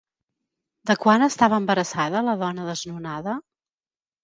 De quant estava embarassada la dona desnonada?